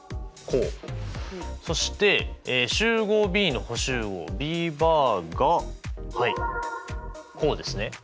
そして集合Ｂの補集合Ｂバーがはいこうですね。